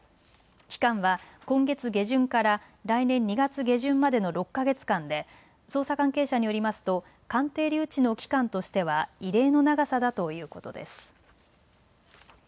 期間は今月下旬から来年２月下旬までの６か月間で捜査関係者によりますと鑑定留置の期間としては異例の長さだということです。